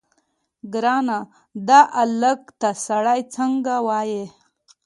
ګرانه دا الک ته سړی څنګه ووايي.